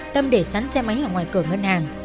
tâm để sắn xe máy ở ngoài cửa ngân hàng